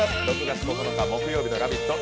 ６月９日木曜日の「ラヴィット！」